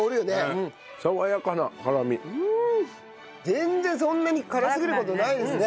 全然そんなに辛すぎる事ないですね。